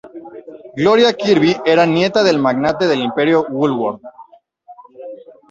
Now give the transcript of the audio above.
Gloria Kirby era nieta del magnate del imperio Woolworth.